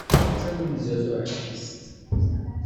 D tawenza tuɛkist.